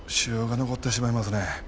腫瘍が残ってしまいますね。